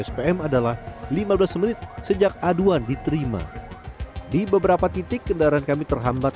spm adalah lima belas menit sejak aduan diterima di beberapa titik kendaraan kami terhambat